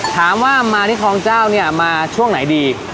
ถามว่ามาที่คลองเจ้าเนี่ยมาช่วงไหนดี